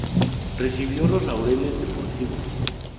Recibió los Laureles Deportivos.